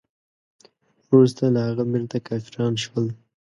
وروسته له هغه بیرته کافران شول.